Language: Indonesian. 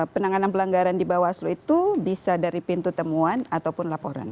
penanganan pelanggaran di bawaslu itu bisa dari pintu temuan ataupun laporan